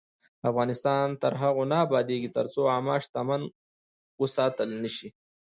افغانستان تر هغو نه ابادیږي، ترڅو عامه شتمني وساتل نشي.